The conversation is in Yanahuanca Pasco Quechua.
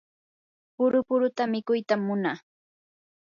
puru puruta mikuytam munaa.